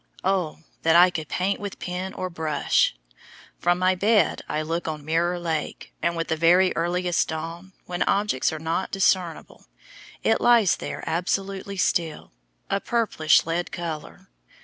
Oh, that I could paint with pen or brush! From my bed I look on Mirror Lake, and with the very earliest dawn, when objects are not discernible, it lies there absolutely still, a purplish lead color.